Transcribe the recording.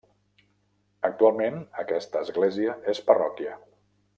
Actualment, aquesta església és parròquia.